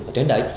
ở trên đấy